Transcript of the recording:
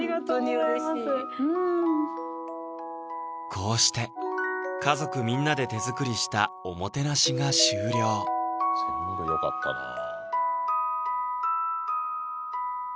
ホントにうれしいこうして家族みんなで手作りしたおもてなしが終了全部よかったなぁ